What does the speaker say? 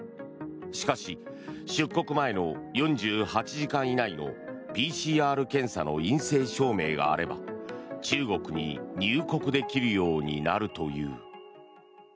しかし、出国前の４８時間以内のＰＣＲ検査の陰性証明があれば中国に入国できるようになるという。